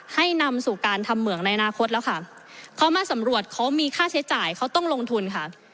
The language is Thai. ให้นำสู่การทำเหมืองในอนาคตแล้วค่ะเขามาสำรวจเขามีค่าใช้จ่ายเขาต้องลงทุนค่ะ